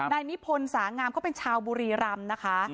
นายนิพนธ์สางามเขาเป็นชาวบุรีรำนะคะ